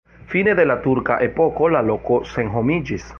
Fine de la turka epoko la loko senhomiĝis.